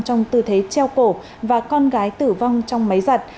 trong tư thế treo cổ và con gái tử vong trong máy giặt